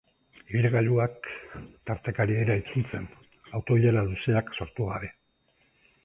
Ibilgailuak tarteka ari dira itzultzen, auto-ilara luzeak sortu gabe.